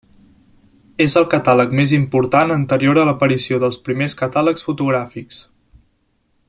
És el catàleg més important anterior a l'aparició dels primers catàlegs fotogràfics.